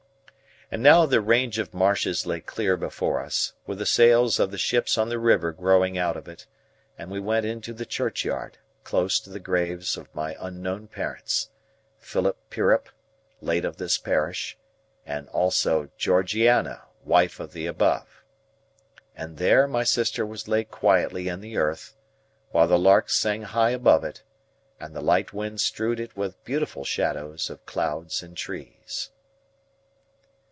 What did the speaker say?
And now the range of marshes lay clear before us, with the sails of the ships on the river growing out of it; and we went into the churchyard, close to the graves of my unknown parents, Philip Pirrip, late of this parish, and Also Georgiana, Wife of the Above. And there, my sister was laid quietly in the earth, while the larks sang high above it, and the light wind strewed it with beautiful shadows of clouds and trees.